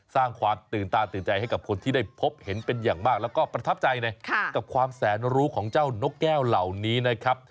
สร้างความตื่นตาตื่นใจให้กับคนที่ได้พบเห็นเป็นอย่างมากแล้วก็ประทับใจเลยกับความแสนรู้ของเจ้านกแก้วเหล่านี้นะครับ